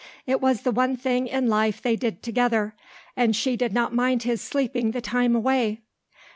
It was the one thing in life they did together and she did not mind his sleeping the time away.